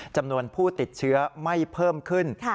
จำนวนผู้ติดเชื้อไม่เพิ่มขึ้น